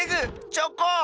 チョコン！